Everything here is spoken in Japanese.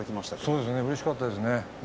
うれしかったですね。